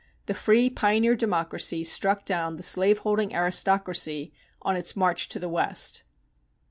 The free pioneer democracy struck down the slave holding aristocracy on its march to the West.